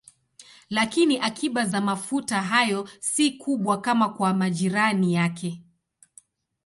Lakini akiba za mafuta hayo si kubwa kama kwa majirani yake.